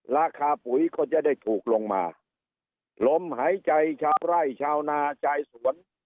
ราคาปุ๋ยก็จะได้ถูกลงมาลมหายใจชาวไร่ชาวนาจ่ายสวน